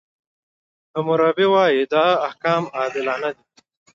حموربي وایي، دا احکام عادلانه دي.